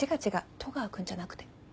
戸川君じゃなくて。